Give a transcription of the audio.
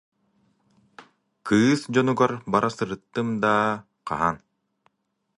Кыыс дьонугар бара сырыттым даа, хаһан